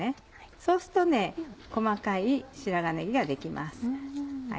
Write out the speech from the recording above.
そうすると細かい白髪ねぎができます。